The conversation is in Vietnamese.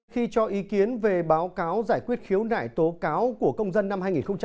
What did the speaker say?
khi cho ý kiến về báo cáo giải quyết khiếu nại tố cáo của công dân năm hai nghìn một mươi tám